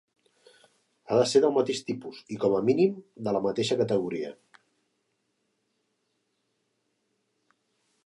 Ha de ser del mateix tipus i, com a mínim, de la mateixa categoria.